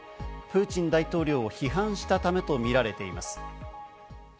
プーチン大統領を批判したためとみられています。